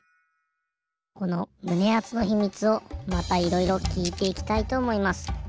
このむねあつの秘密をまたいろいろきいていきたいとおもいます。